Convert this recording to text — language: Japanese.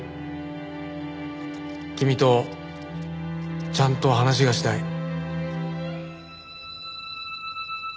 「君とちゃんと話がしたい」